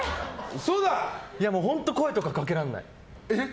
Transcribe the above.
本当、声とかかけられない。